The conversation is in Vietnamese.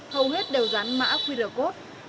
hầu hết đều dán mã qr code